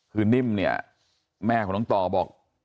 คือนิ่มเนี่ยแม่ของน้องต่อบอก